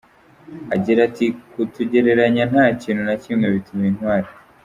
Agira ati “Kutugereranya nta kintu na kimwe bintwara.